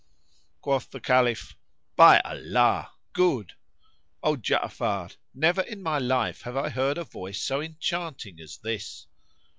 Quoth the Caliph, "By Allah, good! O Ja'afar, never in my life have I heard a voice so enchanting as this."